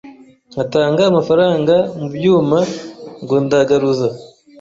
Nkatanga amafaranga mu byuma ngo ndagaruza,